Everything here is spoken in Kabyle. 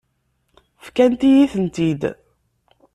Fkant-iyi-tent-id.